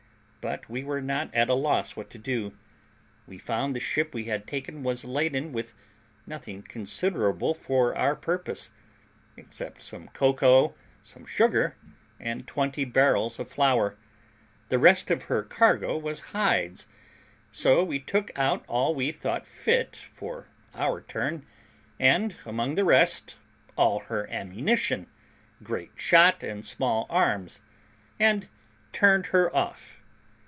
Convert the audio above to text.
But we were not at a loss what to do; we found the ship we had taken was laden with nothing considerable for our purpose, except some cocoa, some sugar, and twenty barrels of flour; the rest of her cargo was hides; so we took out all we thought fit for our turn, and, among the rest, all her ammunition, great shot, and small arms, and turned her off.